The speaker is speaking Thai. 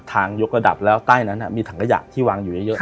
ทางยกระดับแล้วใต้นั้นอะมีถังกระหยะที่วางอยู่เยอะเยอะครับ